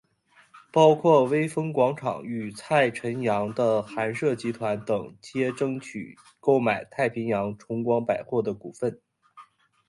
包括微风广场与蔡辰洋的寒舍集团等皆争取购买太平洋崇光百货的股份。